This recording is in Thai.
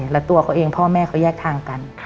แล้วตัวเขาเองพ่อแม่เขาแยกทางกัน